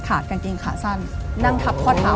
กางเกงขาสั้นนั่งทับข้อเท้า